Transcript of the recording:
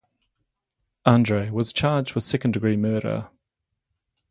Andre was charged with second degree murder.